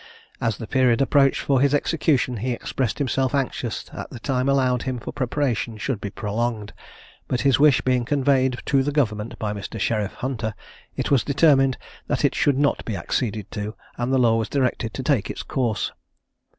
As the period approached for his execution, he expressed himself anxious that the time allowed him for preparation should be prolonged; but his wish being conveyed to the Government by Mr. Sheriff Hunter, it was determined that it could not be acceded to, and the law was directed to take its course.